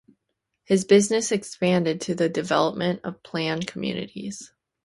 His business expanded to the development of planned communities.